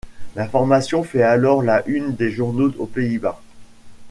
L'information fait alors la une des journaux aux Pays-Bas.